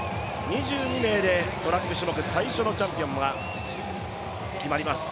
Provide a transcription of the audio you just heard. ２２名でトラック種目最初のチャンピオンが決まります。